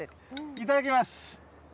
いただきます。